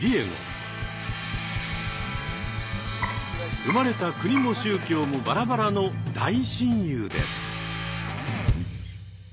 生まれた国も宗教もバラバラの大親友です。